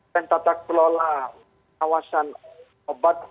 tentata kelola pengawasan obat